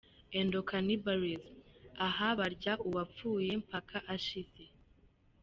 Endocannibalism: Aha barya uwapfuye mpaka ashize.